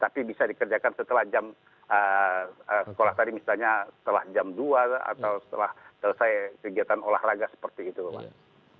tapi bisa dikerjakan setelah jam sekolah tadi misalnya setelah jam dua atau setelah selesai kegiatan olahraga seperti itu mas